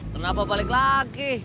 kenapa balik lagi